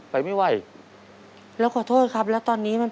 อเรนนี่ต้องมีวัคซีนตัวหนึ่งเพื่อที่จะช่วยดูแลพวกม้ามและก็ระบบในร่างกาย